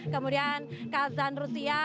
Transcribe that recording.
kemudian kazan rusia